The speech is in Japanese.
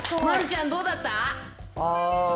丸ちゃん、どうだった？